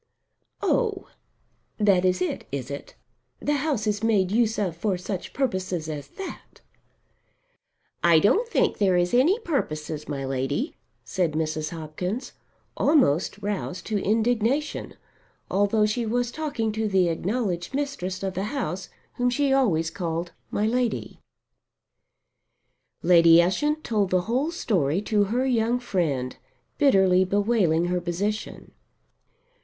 "Oh that is it, is it? The house is made use of for such purposes as that!" "I don't think there is any purposes, my Lady," said Mrs. Hopkins, almost roused to indignation, although she was talking to the acknowledged mistress of the house whom she always called "my lady." Lady Ushant told the whole story to her young friend, bitterly bewailing her position.